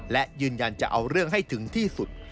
และยืนยันจะเอาเรื่องให้ถึงที่สุด